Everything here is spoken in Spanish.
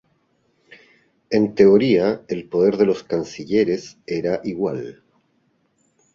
En teoría, el poder de los Cancilleres era igual.